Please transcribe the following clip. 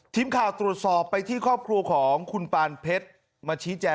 ทีมข่าวตรวจสอบไปที่ครอบครัวของคุณปานเพชรมาชี้แจง